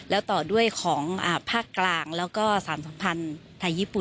แล้วต่อด้วยของภาคกลางแล้วก็สารสัมพันธ์ไทยญี่ปุ่น